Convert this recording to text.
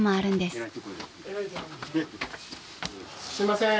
すいません。